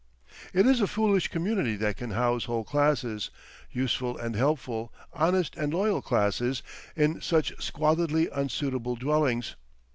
It is a foolish community that can house whole classes, useful and helpful, honest and loyal classes, in such squalidly unsuitable dwellings.